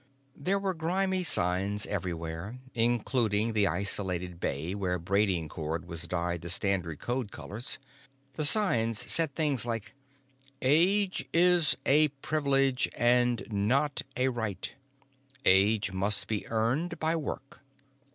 There were grimy signs everywhere, including the isolated bay where braiding cord was dyed the standard code colors. The signs said things like: AGE IS A PRIVILEGE AND NOT A RIGHT. AGE MUST BE EARNED BY WORK.